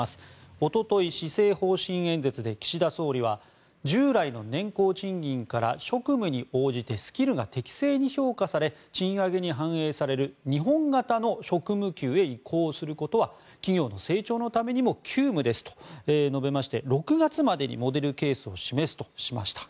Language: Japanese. おととい、施政方針演説で岸田総理は従来の年功賃金から職務に応じてスキルが適正に評価され賃上げに反映される日本型の職務給へ移行することは企業の成長のためにも急務ですと述べまして６月までにモデルケースを示すとしました。